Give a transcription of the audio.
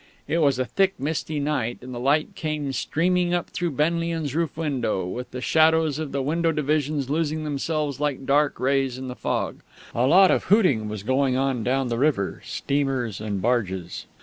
It was a thick, misty night, and the light came streaming up through Benlian's roof window, with the shadows of the window divisions losing themselves like dark rays in the fog. A lot of hooting was going on down the river, steamers and barges....